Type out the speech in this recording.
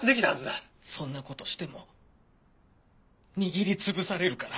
そんな事しても握り潰されるから。